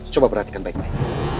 coba perhatikan baik baik